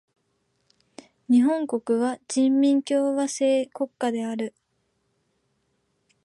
日本国は人民共和制国家である。